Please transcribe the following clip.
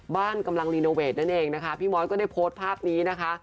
บ้านกำลังรีโนเวทนั่นเองนะคะพี่ม้อยก็ได้โพสต์ภาพนี้นะคะ